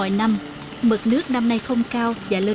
so với mọi năm mực nước năm nay không cao và lên khá chậm